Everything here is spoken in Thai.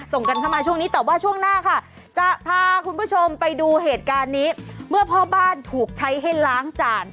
ส่งกันเข้ามาช่วงนี้แต่ว่าช่วงหน้าค่ะจะพาคุณผู้ชมไปดูเหตุการณ์นี้เมื่อพ่อบ้านถูกใช้ให้ล้างจาน